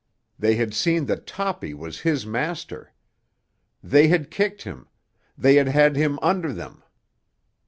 They had seen that Toppy was his master. They had kicked him; they had had him under them.